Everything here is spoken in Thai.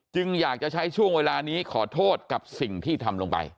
อยากจะใช้ช่วงเวลานี้ขอโทษกับสิ่งที่ทำลงไป